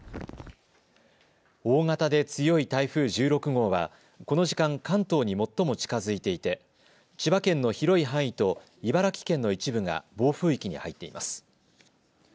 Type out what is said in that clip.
大型で強い台風１６号はこの時間、関東に最も近づいていて千葉県の広い範囲と茨城県の一部が暴風域に入っています。